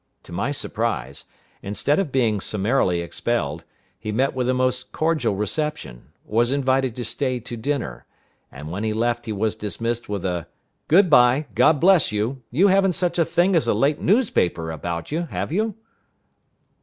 To my surprise, instead of being summarily expelled, he met with a most cordial reception, was invited to stay to dinner, and when he left he was dismissed with a "Good bye! God bless you! You haven't such a thing as a late newspaper about you, have you?"